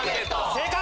正解！